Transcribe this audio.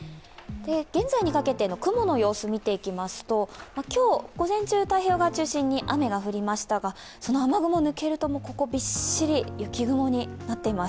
現在にかけての雲の様子を見ていきますと今日、午前中、太平洋側を中心に雨が降りましたが、その雨雲が抜けるとびっしり雪雲になっています。